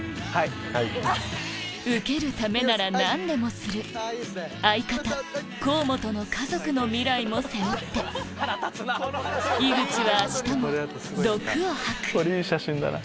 ウケるためなら何でもする相方河本の家族の未来も背負って井口はあしたも毒を吐くこれいい写真だな。